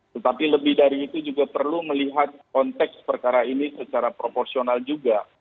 tetapi lebih dari itu juga perlu melihat konteks perkara ini secara proporsional juga